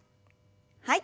はい。